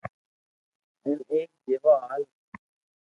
ھين ايڪ جيوہ ھال